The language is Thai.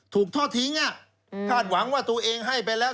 ทอดทิ้งคาดหวังว่าตัวเองให้ไปแล้ว